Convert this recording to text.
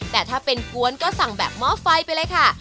แต่ถ้าเป็นกวนก็สั่งแบบหม้อไฟไปเลยค่ะ